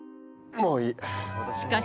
もういい！